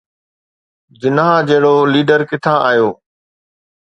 جناح جهڙو ليڊر ڪٿان آيو؟